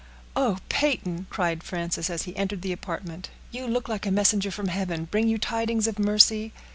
"Oh! Peyton," cried Frances, as he entered the apartment, "you look like a messenger from heaven! Bring you tidings of mercy?"